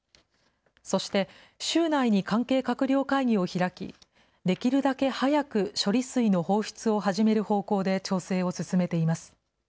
そして、週内に関係閣僚会議を開き、できるだけ早く処理水の放出を始める方向で調整を進めています。